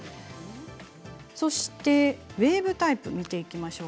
ウエーブタイプを見ていきます。